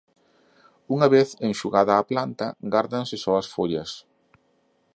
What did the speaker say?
Unha vez enxugada a planta gardaranse só as follas.